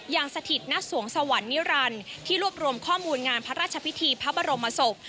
สถิตณสวงสวรรค์นิรันดิ์ที่รวบรวมข้อมูลงานพระราชพิธีพระบรมศพ